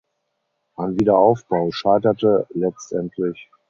Ein Wiederaufbau scheiterte letztendlich.